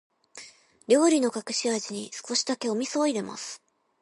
料理の隠し味に、少しだけお味噌を入れます。